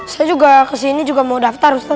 saya juga kesini mau daftar ustadz